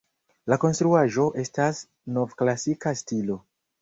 La konstruaĵo estas novklasika stilo.